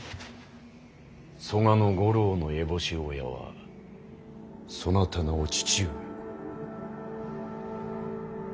曽我五郎の烏帽子親はそなたのお父上。